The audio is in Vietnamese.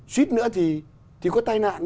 xuyết nữa thì có tai nạn